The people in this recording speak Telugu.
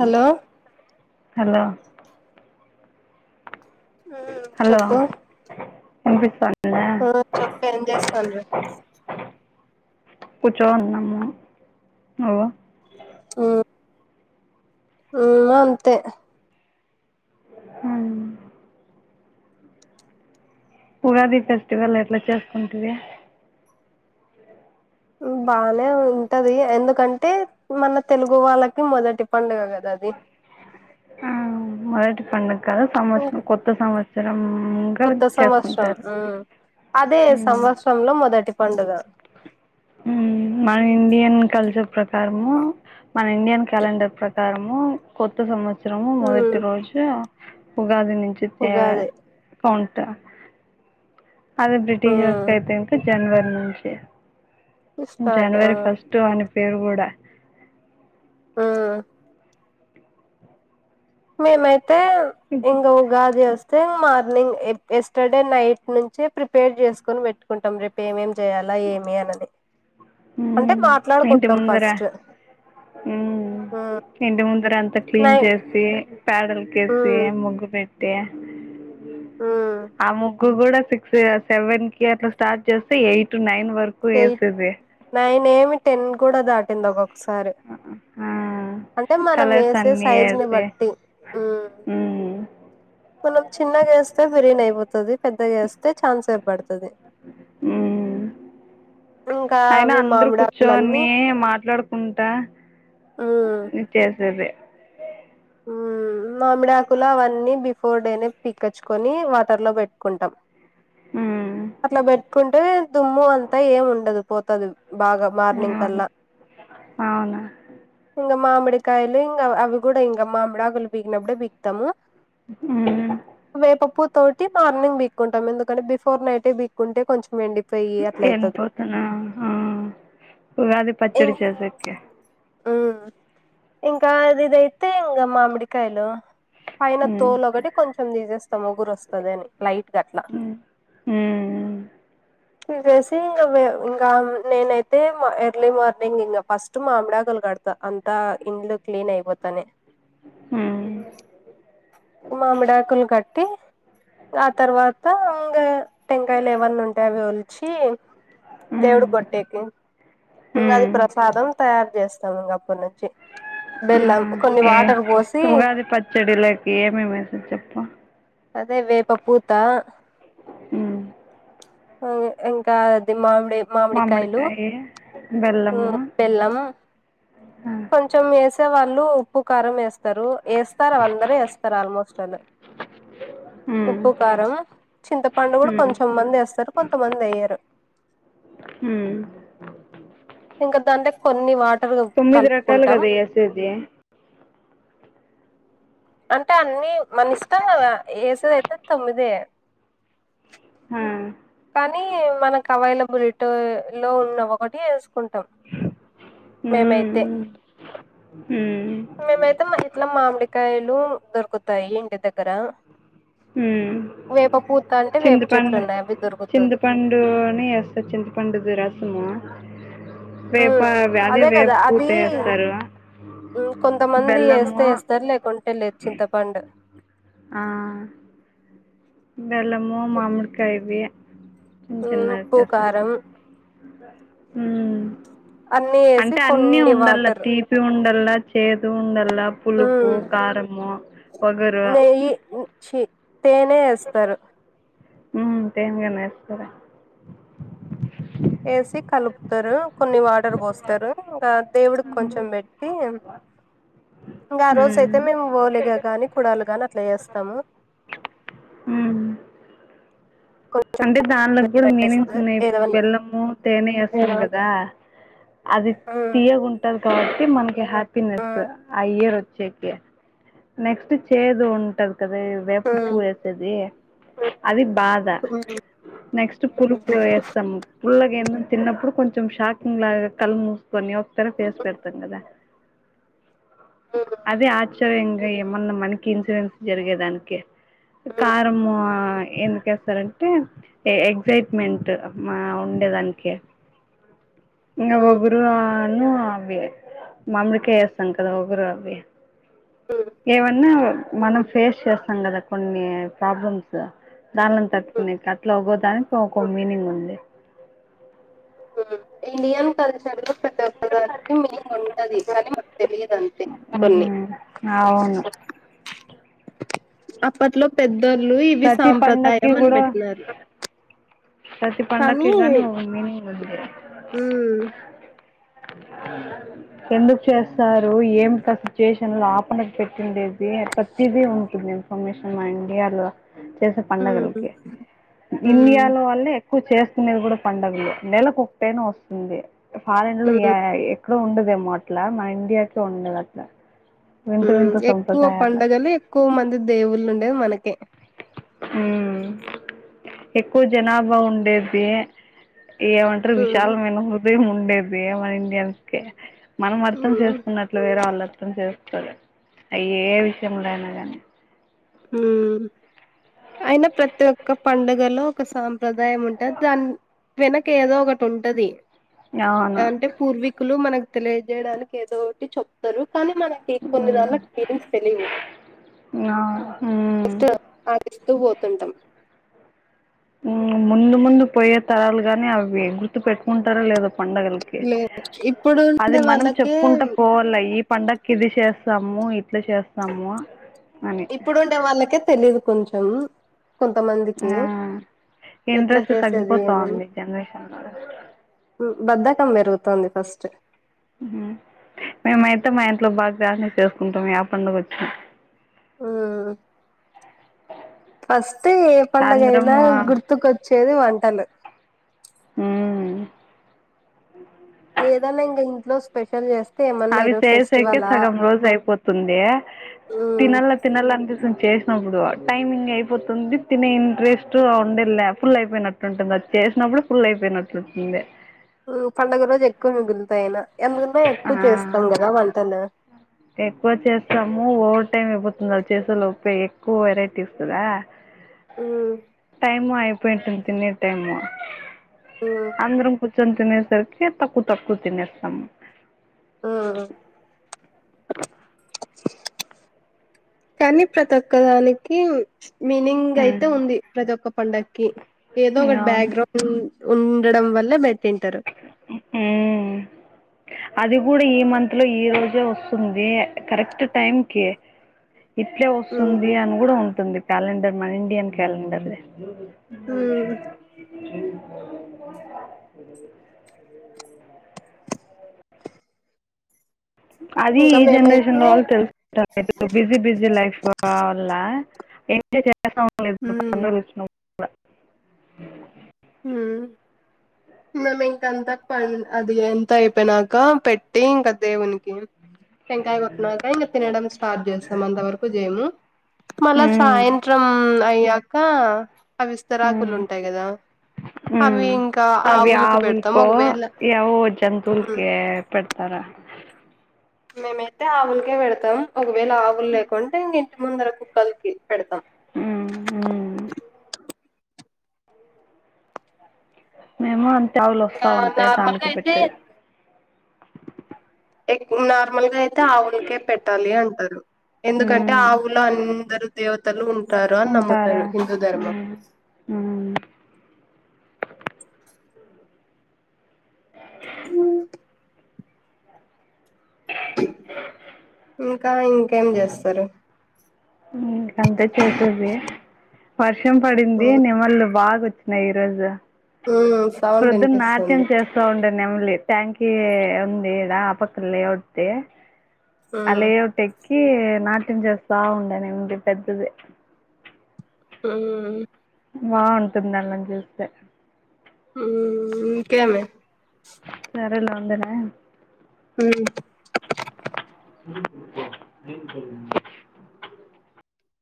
హలో హలో ఆమ్ చెప్పు వినిపిస్తండి ఆ చెప్పు ఏం చేస్తానుమే కూర్చొ అన్నము ఓ ఆ ఉమ్ అంతే ఉమ్ ఉగాది ఫెస్టివల్ ఎట్లా చేసుకుంటిరి బానే ఉంటది ఎందుకంటే మన తెలుగు వాళ్ళకి మొదటి పం పండగ కదా అది ఆ మొదటి పండగ కదా సంవత్సరం కొత్త సంవత్సరంగా కొత్త సంవత్సరం చేసుకుంటారు ఉమ్ అదే ఉమ్ సంవత్సరంలో మొదటి పండుగ మన ఇండియన్ కల్చర్ ప్రకారము మన ఇండియన్ క్యాలెండర్ ప్రకారము ము కొత్త సంవత్సరము ఉమ్ మొదటి రోజు [unintelligible] ఉగాది అదే ఉమ్ బ్రిటిషర్స్కయితే జనవరి నుంచి స్టార్ట్ ఆ జనవరి ఫస్ట్ అని పేరు కూడా ఆ మేమైతే ఇంగ ఉగాది వస్త వస్తె మార్నింగ్ ఎస్టర్డే నైట్ నుంచి ప్రిపేర్ చేసుకోని పెట్టుకుంటాం రేపు ఏమేం చేయాలి లా ఏమి అన్నది ఉమ్ ఇంటి ముందర ఉమ్ ఉమ్, ఇంటి ముందర అంత అంతా క్లీన్ నైన్ చేసి పేడల్కేసి ఉమ్ ముగ్గు పెట్టి ఉమ్ ఆ ముగ్గురు కూడా సిక్స్ సెవెన్ కి అట్లా స్టార్ట్ చేస్తే ఎయిట్ నైన్ వర్క్ ఎయిట్ చేసేది నైన్ ఏమి టెన్ కూడా దాటింది ఒకొక్క ఆ మనం కలర్స్ వేసే అన్నీ సైజ్ ని వేసి బట్టి ఉమ్ మనం చిన్నగా వేస్తే బిర్యానీ అయిపోతది పెద్దగా వేస్తే చానా సేపు పడతాది మ్మ్. అయినా అందరు మామిడాకులన్నీ కూర్చోని మాట్లాడుకుంట ఉమ్ చేసేది మామిడి ఆకులు అవన్నీ బిఫోర్ డేనే పీకచ్చుకొని వాటర్ లో పెట్టుకుంటాం మ్మ్. అట్లా పెట్టుకుంటే దుమ్ము అంతా ఏం ఉండదు పోతది బాగా మార్నింగ్ అవును కల్లా అవును మామిడికాయలు ఇంకా అవి కూడా ఇంకా మామిడి ఆకులు పీకినప్పుడే పీకుతాము ఉ వేపపూ తోటి మార్నింగ్ బీక్కుంటా ఎకే బిఫోర్ నైట్ ఎ బీక్కుంటే కొంచెం ఎండి ఎండి పోతేనా ఆ ఉగాది పచ్చడి చేసేకి ఉ ఇంకా అది ఇదైతే ఇంగ మామిడికాయలు పైన ఉమ్ తోలు ఒకటి కొంచెం తీసేస్తాం వగరు వస్తది అని లైట్గా అట్లా ఉమ్ ఉమ్ తీసేసి ఇంగ నేనైతే ఎర్లీ మార్నింగ్ ఇంగ ఫస్ట్ మామిడాకులు కడ త అంతా ఇండ్లు క్లీన్ అయిపోతనే ఉ మామిడాకులు కట్టి ఆ తర్వాత ఇంగ టెంకాయలు ఏమన్న ఉంటే వలిచి ఉమ్ దేవుడుకి కొట్టేకి ఇంగ అది ఉమ్. ప్రసాదం తయారు చేస్తాము ఇంక అప్పుటి నుంచి ఆ బెల్లం కొన్ని ఏ వాటర్ పోసి ఉగాది పచ్చడిలకి ఏమేం ఏసూడు చెప్పు. అదే వేపపూత ఉమ్ ఒ ఇంకా అది మామ్డి. మామిడికాయలు, మామిడికాయి ఉ బెల్లము బెల్లం ఆ కొంచం ఏసేవాల్ ళ్ళు ఉప్పు, కారం ఏస్తారు, ఏస్తారు అవి అందర్ ఏస్తారు ఆల్మోస్ట్ ఆళ్ళు. ఉమ్ ఉప్పు, కారం, చింతపండు గుడా ఉమ్ కొంచెంమంది ఏస్తారు, కొంతమంది ఏయ్యారు. ఏ హుమ్మ్ ఇంకా దాంట్లకి కొన్ని వాటర్ కలుప్ తొమ్మిది రకాలు కల్పుకుంటాం. కదా వేసేది అంటే అన్ని మన ఇష్టం గదా, ఏసేది అయితే తొమ్మిదే. ఆ కానీ మనకు అవైలబిల్ట లో ఉన్న ఒకటి ఏసుకుంటాం. మేమైతే మేమైతే మా ఇంట్ల మామిడికాయలు దొరుకుతాయి ఇంటి దగ్గర. హుమ్మ్ వేప పూత అంటే వేప చెట్లు చింతపండ్, ఉన్నాయి అవి దొరుకుతది చింతపండుని ఏస్తా చింతపండుది రసము. వేప ఉమ్ అదే వేప కదా, పూత అది వేస్తారు ఉమ్ కొంతమంది బెల్లము ఏస్తే ఏస్తారు, లేకుంటే లేద్ చింతపండు. ఆ బెల్లము, మామిడికాయవి చిన్న, ఉమ్ ఉప్పు చిన్నతే కారం ఏసేస్తరు. అన్ని వేసి అంటే అన్నీ కొన్ని ఉండల్లా, వాటర్ తీపి ఉండల్లా చేదు ఉండల్లా పులుపు ఉమ్ కారము వగరు నెయ్యి ఉమ్ ఛీ తేనే ఏస్తారు. ఉమ్ తేన్గానే ఏస్తారా. ఏసి కల్పుతారు, కొన్ని వాట్ [unintelligible] ఇంగా దేవుడికి ఉమ్. కొంచెం బెట్టి. ఇంగా ఆ రోజ్ ఉమ్. అయితే మేము ఓలిగా గానీ కూడాలు గాని అట్ అట్ల ఏస్తాము. ఉమ్ అంటే దానిలోకి కూడా మీనింగ్స్ చేస్తారు ఉన్నాయి ఇప్పుడు ఏదన్నా బెల్లము, తేనె ఏస్తం గదా. అది ఉమ్, తీయ్యగాఉంటది కాబట్టి, మనకి హ్యాపీనెస్ ఉమ్, ఆ ఇయర్ ఒచ్చేకి. నెక్స్ట్ చేదు ఉంటది కదా, వేప ఉమ్, పూవు ఏసేది. అది బాధ. ఉమ్, ఉమ్, నెక్స్ట్ పులుపు ఏస్తాము పుల్లటి ఏమన్నా తిన్నప్పుడు కొంచెం షాకిింగ్ లాగా కళ్ళు మూసుకోని, ఒకతర ఫేస్ పెడతాం గదా. ఉమ్, అదే ఆశ్చర్యంగా, ఏమన్నా మనకి ఇన్సూరెన్స్ జరిగేదానికి. ఉమ్, కారంము ఆ ఎందుకేస్తారంటే, ఎగ్జైట్మెంట్ మా ఉండేదానికి. ఇంగా ఉమ్, ఒగరు ఆ [unintelligible] అవ్వి మామిడికాయ ఏస్తాం కదా, వగరు అవి ఉమ్, ఏవన్నా, మనం ఫేస్ చేస్తాం కదా కొన్ని ప్రాబ్లమ్స్. దానిని ఉమ్. తట్టుకునేకి, అట్లా ఒగోదానికి ఒక మీనింగ్ ఉంది. ఇండియాన్ కథ చదువు [unintelligible] దానికి మీనింగ్ ఉంటది, కాని మాక్ తెలియద్ అంతే కొన్ని. అవును. అప్పట్లో పెద్దోళ్ళు ఇవి ప్రతి పండక్కి సాంప్రదాయం గూడా అనిపెట్నారు ప్రతి పండకిగాని ఒక మీనీ ఇది హ్మ్ ఎందుకు చేస్తారు ఏమిట సిచ్యుయేషన్ లో ఆపనీట్ పెట్టిండేది ప్రతిది ఉంటుంది షన్ మన ఇండియాలో చేసే ఉమ్, పడుగలకి హ్మ్ ఇండియాలో వాళ్ళే ఎక్కువ చేసుకునేది కూడా పండుగలు నేలకొక్కటైనా వస్తుంది ఫారెన్లు హ్మ్ అక్కడ ఉండదేమో అట్లా మా ఇండియాకే ఉండెది అట్లా వింత వింత ఎక్కువ సంప్రదాయాలు పండుగలు ఎక్కువ మంది దేవుళ్ళు ఉండేది మనకే మ్మ్. ఎక్కువ జనాభా ఉండేది ఏమంటారు హ్మ్ విశాలమైన హృదయం ఉండే డేది మన ఇండియన్స్ కె మనం అర్థం హ్మ్ చేసుకున్నట్లు వేరే వాళ్ళు అర్థం చేసు అయ్యే విషయంలో అయినా కానీ అయినా ప్రతి ఒక్క పండగలో ఒక సా సంప్రదాయం ఉంటది దాని వెనక ఏదో ఒకటి ఉంటది అవును అంటే పూర్వ కులు మనకు తెలియజేయడానికి ఏదో ఒకటి చెప్తారు కానీ మనకి మ్మ్ కొన్నిదాన్లకి ఫీలింగ్స్ తెలివు అవును మ్మ్ జస్ట్ ఇస్తూ పోతుంటాం ముందు ముందు పోయే తరాలు గాని అవి గుర్తు పెట్టుకుంటారో లేదో పండగలకి లే ఇప్పుడు అది ఉండే మనం వాళ్ళకే చెప్పుకుంటా పోవాల ఈ పండక్కి ఇది చేస్తాము ఇట్లా చేస్తాము అని ఇప్పుడుండే వాళ్ళకే తెలీదు కొంచం కొంతమందికి ఆ ఎట్లా ఇంట్రెస్ట్ చేసేది తగ్గిపోతా ఏమని ఉంది జనరేషన్లో బద్దకం పెరుగుతుంది ఫస్ట్ మేమైతే మా ఇంట్లో బా గ్రాండ్ గా చేసుకుంటాం ఏ పండుగ వచ్చిన ఆ ఫస్ట్ ఏ సాయంత్రం పండగైనా గుర్తుకొచ్చేది వంటలు హ అ ఏదన్నా ఇంకా ఇంట్లో స్పెషల్ చేస్త అవి చేసేకే సగం రోజు అయిపోతుంది మ్మ్ తినల్లా తినాలనిపిస్తుంది చే ప్పుడు టైమింగ్ అయిపోతుంది తినే ఇంట్రెస్ట్ ఉండే లే ఫుల్ అయిపోయినట్టుంటుంది అది చేసిన ప్పు కూడా ఫుల్ అయిపోయంట్లుంది పండుగ రోజు ఎక్కువ మిగులుతాయనా ఎందుకంట ఎక్కువ ఆ చేస్తాం కదా వంటలు ఎక్కువ చేస్తాము ఓవర్ టైమ్ అయిపోతుంది అది చేసేలోపే ఎక్కువ వెరైటీస్ కదా మ్మ్ టైము అపోయేంటుంది తినె టైము మ్మ్ అందరం కూర్చొని తినేసరికి తక్కువ తక్కువ తినేస్తాము మ్మ్ కానీ ప్రతి ఒక్కదానికి మీనింగ్ అయితే ఉమ్, ఉంది ప్రతి ఒక్క పండగకి ఏదో ఒకటి అవును బ్యాక్గ్రౌండ్ ఉండడం వల్ల బట్ అ అది కూడా ఈ మంత్ లో ఈ రోజే వస్తుంది కరెక్ట్ టైం కి ఇట్లే వస్తుంది మ్మ్ అని కూడా ఉంటుంది క్యాలెండర్ మన ఇండియన్ క్యాలెండర్ది స అది ఇంకా ఈ జనరేషన్ మేమైతే లో వాళ్ళు తెలుసుకుంట బిజీ బిజీ లైఫ్ వల్ల ఎంత చేస లేదు మ్మ్ [unintelligible] ఆ మేము ఇంకంత ప అది ఎంత అయిపోయినాక పెట్టి ఇంకా దేవునికి టెంకాయ కొట్టిన కా ఇంకా తినడం స్టార్ట్ చేస్తాం అంత వరకు చేయము మళ ఉమ్, సాయంత్రం అయే అవి ఇస్తరాకులు ఉమ్, ఉంటాయి కదా అవి ఉమ్. ఇంకా ఆవులకి పెడతాం ఆవులకో ఒకవేళ ఏవో జంతువుల్కి పెడతారు మేమైతే ఆవులకే పెడతాం ఒకవేళ ఆవులు లేకుంటే ఇంక ఇంటి ముందర కుక్కలికి పెడతం మేము అంతే ఆవులు ఇంకా వస్తా ఉంటే నార్మల్గా దానికి అయితే పెట్టేది నార్మల్ గా అయితే ఆవులకే పెట్టాలి అంటారు ఎందుకంటే మ్మ్ ఆవులో అందరు దేవతలు ఉంటారు అని ఉంటారా నమ్ముతారు హిందూ ఆ ధర్మం ఆ హ ఇంకా ఇంకేం చేస్తారు ఇక అంతే చేసేది వర్షం పడింది మ్మ్ నెమల్లు బాగా వచ్చినాయి ఈ రోజు మ్మ్ సౌండ్ ప్రొద్దున నాట్యం వినిపిస్తుంది చేస్తా ఉండే నెమలి ట్యాంకీ ఉందిడా ఆపక్క లే ఒకట్ది అ మ్మ్ లే ఒకటి నాట్యం చేస్తా ఉండను ఏంటి పెద్దది ఆ బాగుంటుంది అళ్ళని చూస్తే ఉ ఇంకేమి సరేలే ఉండనా ఉమ్